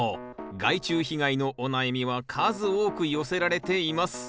害虫被害のお悩みは数多く寄せられています。